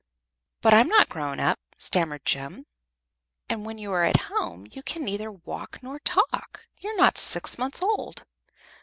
"But I'm not grown up," stammered Jem; "and when you are at home you can neither walk nor talk. You're not six months old."